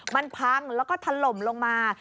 มันพังแล้วก็ถล่มลงมา